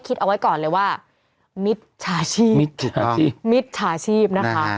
คิดเอาไว้ก่อนเลยว่ามิตรชาชีพ